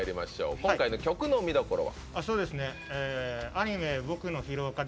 今回の曲の見どころは？